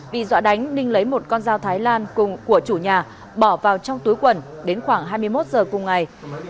vì dọa đánh ninh lấy một con dao thái lan của chủ nhà bỏ vào trong túi quẩn đến khoảng hai mươi một giờ cùng ngày